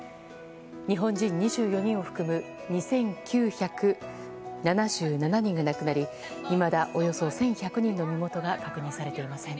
日本人２４人を含む２９７７人が亡くなりいまだ、およそ１１００人の身元が確認されていません。